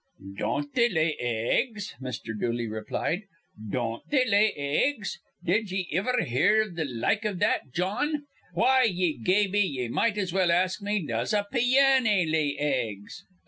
"Don't they lay eggs?" Mr. Dooley replied. "Don't they lay eggs? Did ye iver hear th' like iv that, Jawn? Why, ye gaby, ye might as well ask me does a pianny lay eggs.